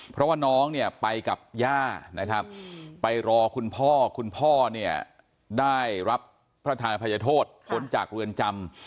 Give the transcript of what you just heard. เพราะว่าน้องเนี่ยไปกับย่านะครับไปรอคุณพ่อคุณพ่อเนี่ยได้รับพระทานภัยโทษพ้นจากเรือนจำ